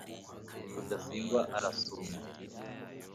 rudasingwa arasuma